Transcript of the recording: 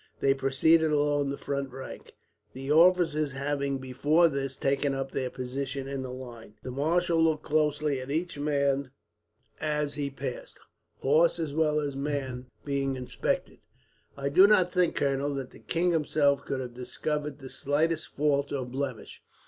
They proceeded along the front rank, the officers having before this taken up their position in the line. The marshal looked closely at each man as he passed, horse as well as man being inspected. "I do not think, colonel, that the king himself could have discovered the slightest fault or blemish.